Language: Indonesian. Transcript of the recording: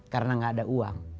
karena nggak ada uang